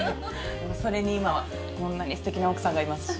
それに今はこんなに素敵な奥さんがいますし。